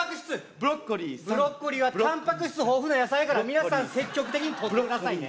ブロッコリーさんブロッコリーはタンパク質豊富な野菜やから皆さん積極的にとってくださいね